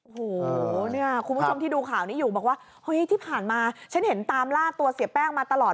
โอ้โหเนี่ยคุณผู้ชมที่ดูข่าวนี้อยู่บอกว่าเฮ้ยที่ผ่านมาฉันเห็นตามล่าตัวเสียแป้งมาตลอด